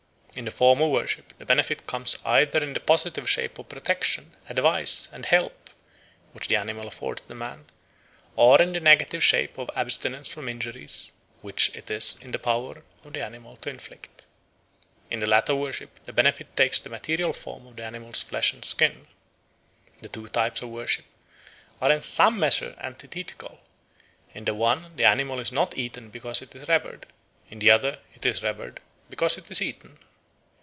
In the former worship the benefit comes either in the positive shape of protection, advice, and help which the animal affords the man, or in the negative shape of abstinence from injuries which it is in the power of the animal to inflict. In the latter worship the benefit takes the material form of the animal's flesh and skin. The two types of worship are in some measure antithetical: in the one, the animal is not eaten because it is revered; in the other, it is revered because it is eaten.